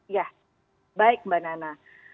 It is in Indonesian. ya baik mbak nana